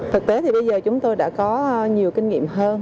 thực tế thì bây giờ chúng tôi đã có nhiều kinh nghiệm hơn